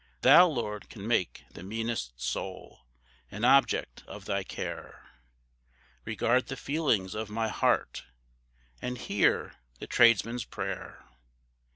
Thou, Lord, can make the meanest soul, An object of thy care, Regard the feelings of my heart, And hear the Tradesman's prayer.